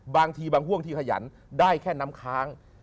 บางทีบางห่วงที่ขยันได้แค่น้ำค้าง